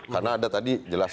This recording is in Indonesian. karena ada tadi jelas